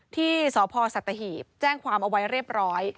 ที่สพสัตหีบแจ้งความเอาไว้เรียบร้อย